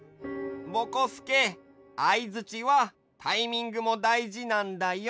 ぼこすけあいづちはタイミングも大事なんだよ。